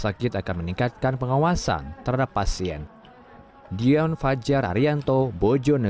sakit akan meningkatkan pengawasan terhadap pasien dion fajar arianto bojonegoro jawa timur